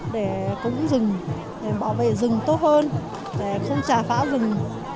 để cúng rừng để bảo vệ rừng tốt hơn để không trà phá rừng